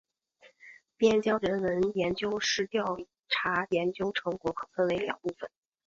边疆人文研究室调查研究成果可分为两部分。